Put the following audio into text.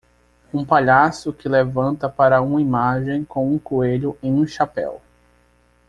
Um palhaço que levanta para uma imagem com um coelho em um chapéu.